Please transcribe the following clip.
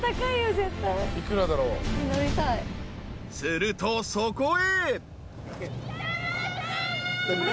［するとそこへ］